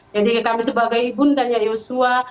jadi kami sebagai ibu nda nya yosua